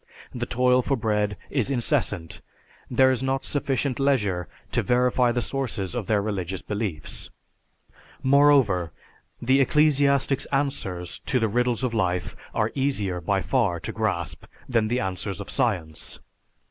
The toil for bread is incessant, there is not sufficient leisure to verify the sources of their religious beliefs. Moreover, the ecclesiastic's answers to the riddles of life are easier, by far, to grasp than the answers of science.